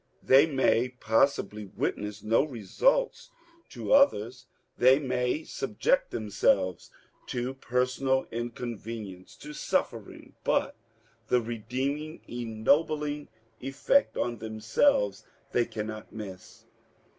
They may possibly witness no results to others. They may subject themselves to personal inconven ience, to suffering, but the redeeming, ennobling effect on tiiemselves they cannot miss.